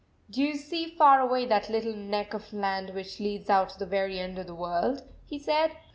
" Do you see far away that little neck of land which leads out to the very end of the world ?" he said.